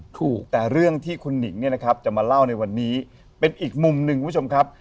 ถูกแต่เรื่องที่คุณหนิงเนี่ยนะครับจะมาเล่าในวันนี้เป็นอีกมุมหนึ่งคุณผู้ชมครับ